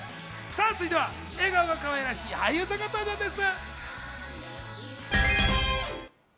続いては笑顔がかわいらしい俳優さんが登場です。